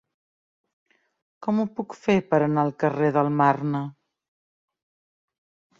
Com ho puc fer per anar al carrer del Marne?